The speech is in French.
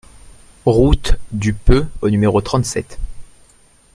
Route du Peux au numéro trente-sept